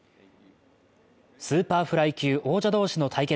スーパーフライ級王者同士の対決。